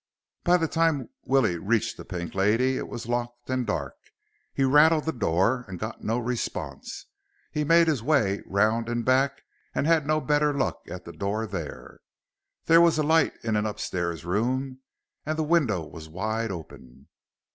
By the time Willie reached the Pink Lady it was locked and dark. He rattled the door and got no response. He made his way round in back and had no better luck at the door there. There was a light in an upstairs room, and the window was wide open.